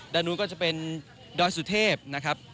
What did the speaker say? ด้านนู้นก็จะเป็นดอยสุเทพนะครับ